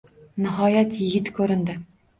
Nihoyat, yigit ko`rindi